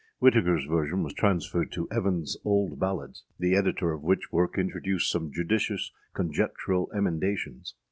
Whitakerâs version was transferred to Evanâs _Old __Ballads_, the editor of which work introduced some judicious conjectural emendations.